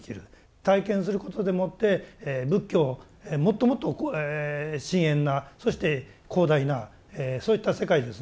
体験することでもって仏教をもっともっとこう深遠なそして広大なそういった世界ですので。